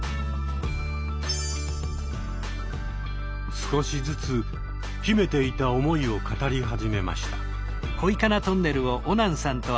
少しずつ秘めていた思いを語り始めました。